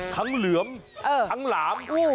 ทั้งเหลือมาทั้งหลาม